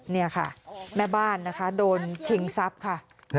นี่ค่ะแม่บ้านนะคะโดนชิงทรัพย์ค่ะ